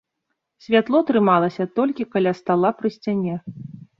Святло трымалася толькі каля стала пры сцяне.